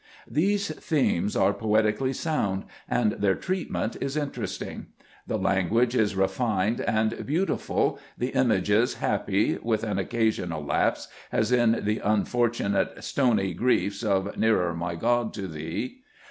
These themes are poetically sound, and their treat ment is interesting. The language is refined and beautiful, the images happy (with an occa sional lapse, as in the unfortunate "stony griefs" of "Nearer, my God, to Thee").